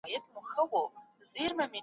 د کورنۍ مشرانو ته لومړیتوب ورکړئ.